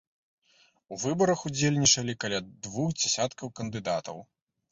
У выбарах удзельнічалі каля двух дзясяткаў кандыдатаў.